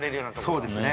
そうですね。